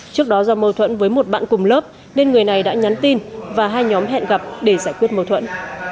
trước đó do mâu thuẫn với một bạn cùng lớp nên người này đã nhắn tin và hai nhóm hẹn gặp để giải quyết mâu thuẫn